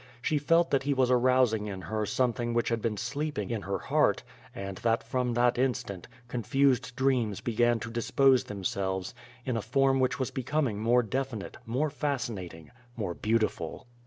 She felt that he was arousing in her something which had been sleep ing in her heart, and that from that instant, confused dreams began to dispose themselves in a form which was becoming more definite, more fascinating, more beautiful.